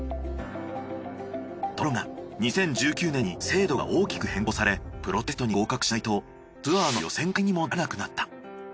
ところが２０１９年に制度が大きく変更されプロテストに合格しないと出られなくなった。